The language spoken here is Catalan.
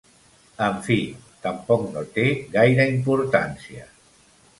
En fi, tampoc no té gaire importància.